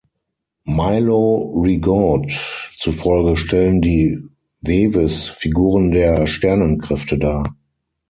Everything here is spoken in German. Milo Rigaud zufolge stellen die Veves Figuren der Sternenkräfte dar ...